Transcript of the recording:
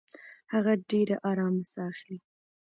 هغه ډېره ارامه ساه اخلي.